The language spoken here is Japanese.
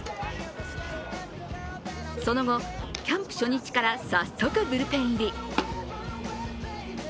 その後、キャンプ初日から早速ブルペン入り。